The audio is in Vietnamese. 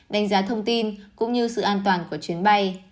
đánh giá thông tin cũng như sự an toàn của chuyến bay